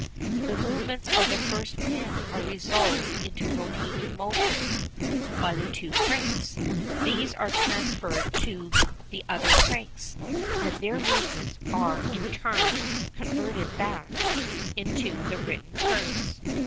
The movements of the first pen are resolved into rotating motions by the two cranks, these are transferred to the other cranks, and their movements are in turn converted back into the written curves.